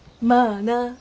まあな。